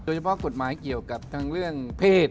เฉพาะกฎหมายเกี่ยวกับทั้งเรื่องเพศ